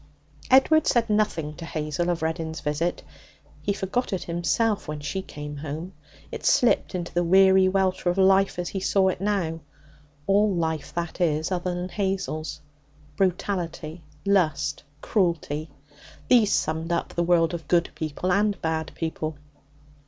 Edward said nothing to Hazel of Reddin's visit. He forgot it himself when she came home; it slipped into the weary welter of life as he saw it now all life, that is, other than Hazel's. Brutality, lust, cruelty these summed up the world of good people and bad people.